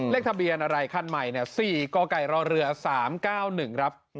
เลขทะเบียนอะไรขั้นใหม่๔กกรรเวลา๓๙๑